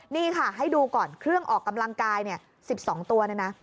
นี่ค่ะให้ดูก่อนเครื่องออกกำลังกาย๑๒ตัวเนี่ยนะ